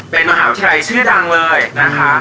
เป็นมหาวิทยาลัยชื่อดังเลยนะคะ